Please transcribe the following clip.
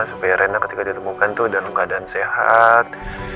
supaya rendah ketika ditemukan tuh dalam keadaan sehat